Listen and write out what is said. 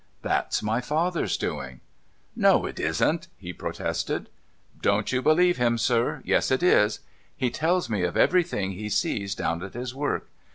That's my father's doing.' ' No, it isn't !' he protested. ' Don't you believe him, sir ; yes, it is. He tells me of everything he sees down at his work.